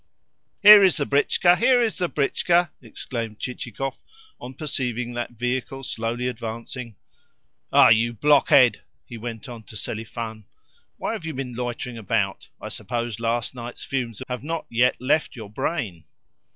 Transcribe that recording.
"Here is the britchka, here is the britchka!" exclaimed Chichikov on perceiving that vehicle slowly advancing. "Ah, you blockhead!" he went on to Selifan. "Why have you been loitering about? I suppose last night's fumes have not yet left your brain?"